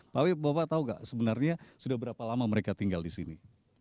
pak wib bapak tahu nggak sebenarnya sudah berapa lama mereka tinggal di sini